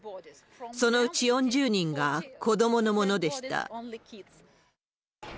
そのうち４０人が子どものものでした。